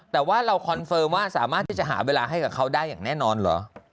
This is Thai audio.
แต่ว่าเราคอนเฟิร์มว่าสามารถที่จะหาเวลาให้กับเขาได้อย่างแน่นอนเหรอ